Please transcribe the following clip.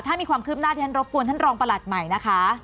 ถ้ามีความคืบหน้าที่ฉันรบกวนท่านรองประหลัดใหม่นะคะ